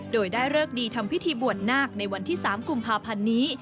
โดยได้เลิกดีทำพิธีบวชนาคในวันที่๓กุมภาพันธ์นี้